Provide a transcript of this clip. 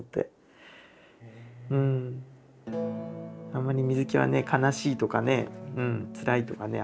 あんまり水木はね悲しいとかねつらいとかね